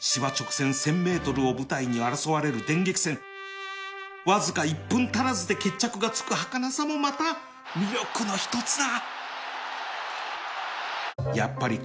芝直線 １，０００ｍ を舞台に争われる電撃戦わずか１分足らずで決着がつくはかなさもまた魅力の一つだ